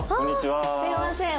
すいません。